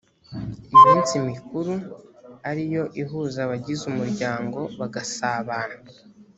iminsi mikuru ari yo ihuza abagize umuryango bagasabana